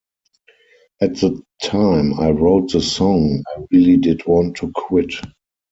At the time I wrote the song, I really did want to quit.